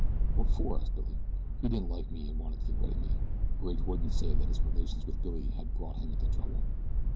"What for?" asked Billy. "He didn't like me, and wanted to get rid of me." Bridge wouldn't say that his relations with Billy had brought him into trouble.